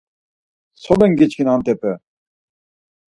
Solen giçkin antepe?